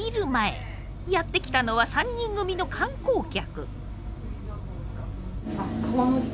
やって来たのは３人組の観光客。